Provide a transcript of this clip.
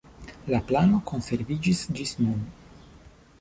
La plano konserviĝis ĝis nun.